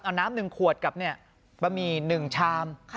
เอาน้ำหนึ่งขวดกับปะหมี่หนึ่งชาม